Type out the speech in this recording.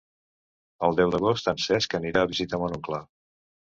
El deu d'agost en Cesc anirà a visitar mon oncle.